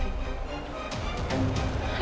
ada yang gak beres